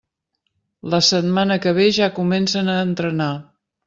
La setmana que ve ja comencen a entrenar.